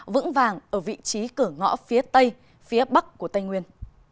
vững vàng ở vị trí cửa ngõ phía tây phía bắc của tây nguyên